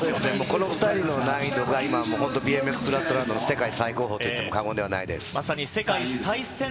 この２人の難易度がＢＭＸフラットランド世界最高峰といっても過言ではないです。